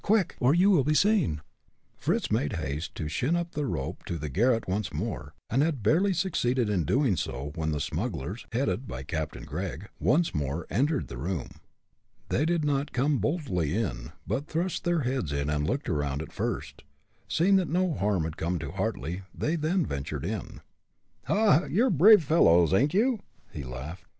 Quick! or you will be seen!" Fritz made haste to shin up the rope to the garret once more, and had barely succeeded in so doing when the smugglers, headed by Captain Gregg, once more entered the room. They did not come boldly in, but thrust their heads in and took a look around first. Seeing that no harm had come to Hartly, they then ventured in. "Ha! ha! you're brave fellows, ain't you?" he laughed.